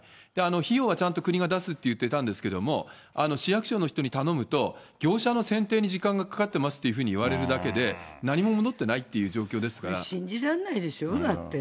費用はちゃんと国が出すって言ってたんですけれども、市役所の人に頼むと、業者の選定に時間がかかってますというふうに言われるだけで、何信じられないでしょ、だって。